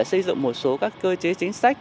xây dựng một số các cơ chế chính sách